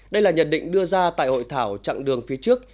đây là nhận định đưa ra tại hội thảo chặng đường phía trước